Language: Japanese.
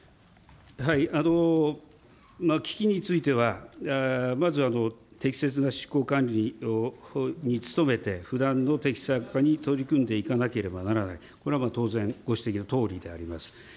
基金については、まずは適切な執行管理につとめて、不断のてきさく化に取り組んでいかなければならない、これはまあ当然、ご指摘のとおりであります。